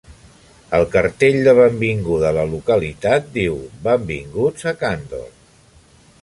El cartell de benvinguda a la localitat diu: Benvinguts a Candor.